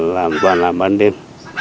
làm toàn là ban đêm